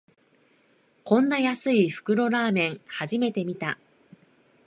こんな安い袋ラーメン、初めて見た